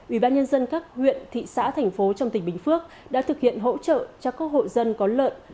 ubnd các huyện thị xã thành phố trong tỉnh bình phước đã thực hiện hỗ trợ cho các hội dân có lợn